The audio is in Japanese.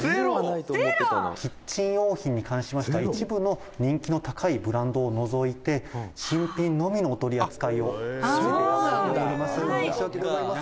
「キッチン用品に関しましては一部の人気の高いブランドを除いて新品のみのお取り扱いをさせていただいております」